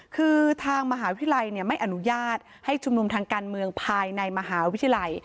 คือทางมหาวิทยาลัยไม่อนุญาตให้ชุมนุมทางการเมืองภายในมหาวิทยาลัย